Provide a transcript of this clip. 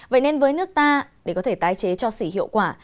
vậy nên với nước ta để có thể tái chế cho xỉ hiệu quả